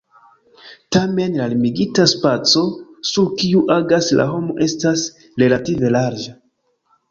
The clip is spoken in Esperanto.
Tamen la limigita spaco, sur kiu agas la homo, estas relative larĝa.